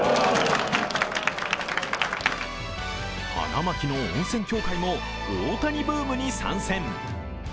花巻の温泉協会も大谷ブームに参戦。